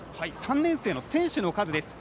３年生の選手の数です。